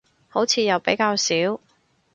好似又比較少